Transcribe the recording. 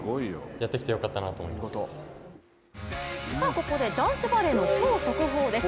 ここで男子バレーの超速報です。